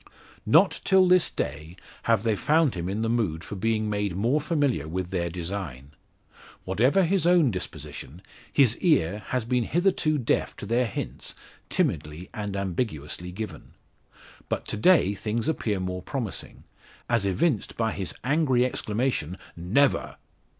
Not till this day have they found him in the mood for being made more familiar with their design. Whatever his own disposition, his ear has been hitherto deaf to their hints, timidly, and ambiguously given. But to day things appear more promising, as evinced by his angry exclamation "Never!"